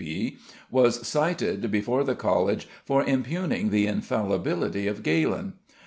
C.P., was cited before the College for impugning the infallibility of Galen.